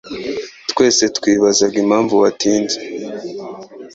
Twese twibazaga impamvu watinze.